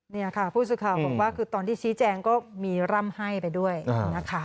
นี่ค่ะผู้สื่อข่าวบอกว่าคือตอนที่ชี้แจงก็มีร่ำให้ไปด้วยนะคะ